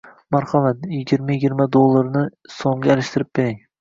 Marhamat, yigirma yigirma dollarni so'mga alishtirib bering.